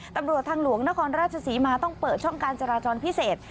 ตำรวจทางหลวงนครราชศรีมาต้องเปิดช่องการจราจรพิเศษ